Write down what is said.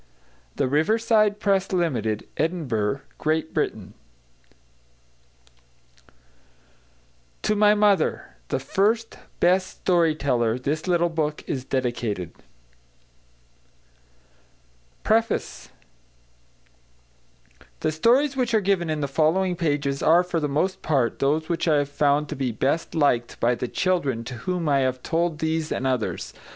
THE RIVERSIDE PRESS LIMITED, EDINBURGH GREAT BRITAIN To My Mother THE FIRST, BEST STORY TELLER THIS LITTLE BOOK IS DEDICATED PREFACE The stories which are given in the following pages are for the most part those which I have found to be best liked by the children to whom I have told these and others.